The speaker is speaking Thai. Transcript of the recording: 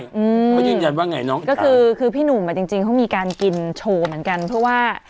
เขายืนยันว่าไงน้องก็คือคือพี่หนุ่มอ่ะจริงจริงเขามีการกินโชว์เหมือนกันเพราะว่า